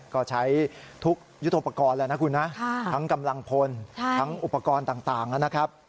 ก็ใช้ทุกยุทธปกรณ์แล้วนะคุณนะทั้งกำลังพลทั้งอุปกรณ์ต่างนะครับ